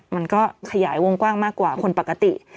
มันก็ขยายวงกว้างมากกว่าคนปกติ